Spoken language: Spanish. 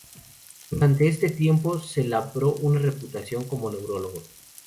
Durante este tiempo se labró una reputación como neurólogo.